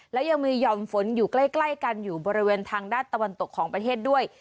แล้วยังมีห่อมฝนอยู่ใกล้กันอยู่บริเวณทางด้านตะวันตกของประเทศด้วย